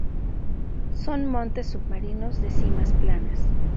Son montes submarinos de cimas planas.